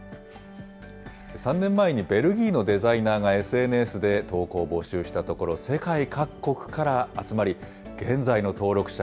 ３年前にベルギーのデザイナーがＳＮＳで投稿を募集したところ、世界各国から集まり、現在の登録者